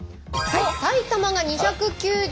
埼玉が２９０